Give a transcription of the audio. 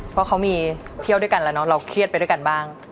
เพราะเขามีเที่ยวด้วยกันแล้วเนอะเราเครียดไปด้วยกันบ้าง